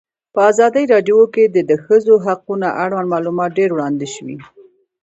په ازادي راډیو کې د د ښځو حقونه اړوند معلومات ډېر وړاندې شوي.